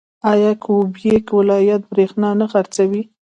آیا کیوبیک ولایت بریښنا نه خرڅوي؟